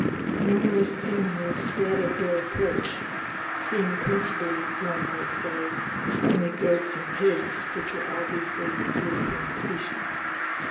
Numerous animals fled at their approach, being principally, one might say, only goats and pigs, which were obviously European species.